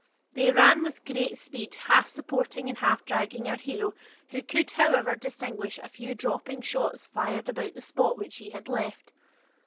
They ran with great speed, half supporting and half dragging our hero, who could, however, distinguish a few dropping shots fired about the spot which he had left.